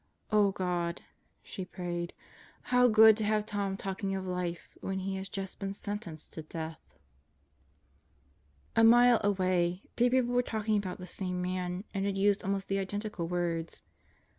"Oh God," she prayed, "how good to have Tom talking of life when he has just been sentenced to death!" A mile away, three people were talking about the same man and had used almost the identical words.